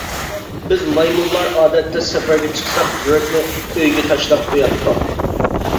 بىز مايمۇنلار ئادەتتە سەپەرگە چىقساق يۈرەكنى ئۆيگە تاشلاپ قۇياتتۇق.